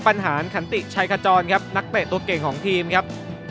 ปัญหาขันติชัยขจรครับนักเตะตัวเก่งของทีมครับ